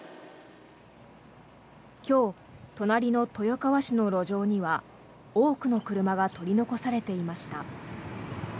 今日、隣の豊川市の路上には多くの車が取り残されていました。